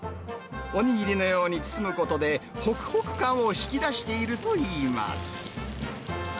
お握りのように包むことで、ほくほく感を引き出しているといいます。